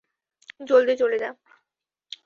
জলদি চলে যা।